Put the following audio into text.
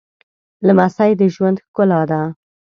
لمسی د ژوند ښکلا ده